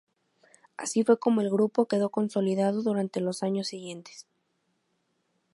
Así fue como el grupo quedó consolidado durante los años siguientes.